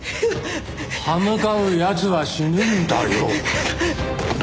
刃向かう奴は死ぬんだよ。